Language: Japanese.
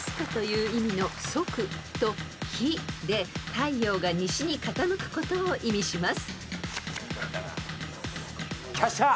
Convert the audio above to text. ［太陽が西に傾くことを意味します］